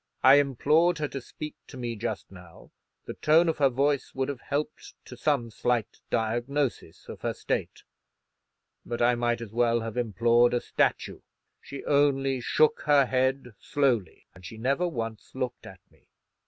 I implored her to speak to me just now; the tone of her voice would have helped to some slight diagnosis of her state; but I might as well have implored a statue. She only shook her head slowly, and she never once looked at me.